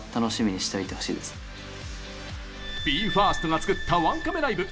ＢＥ：ＦＩＲＳＴが作ったワンカメライブ